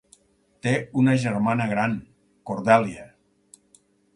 Té una germana gran, Cordelia.